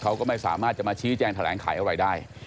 เขาก็ไม่สามารถจะมาชี้แจงแถลงไขอะไรได้